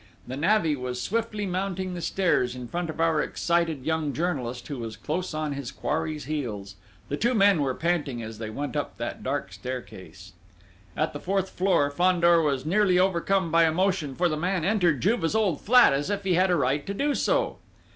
The navvy was swiftly mounting the stairs in front of our excited young journalist, who was close on his quarry's heels: the two men were panting as they went up that dark staircase. At the fourth floor, Fandor was nearly overcome by emotion, for the man entered Juve's old flat as if he had a right to do so.